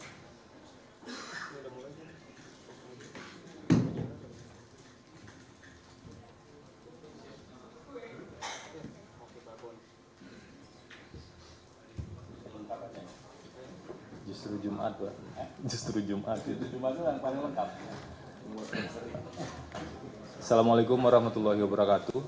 assalamualaikum warahmatullahi wabarakatuh